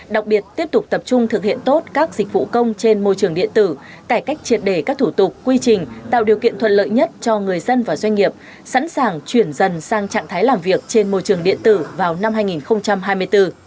đặc biệt tiếp tục tập trung thực hiện tốt các dịch vụ công trên môi trường điện tử cải cách triệt đề các thủ tục quy trình tạo điều kiện thuận lợi nhất cho người dân và doanh nghiệp sẵn sàng chuyển dần sang trạng thái làm việc trên môi trường điện tử vào năm hai nghìn hai mươi bốn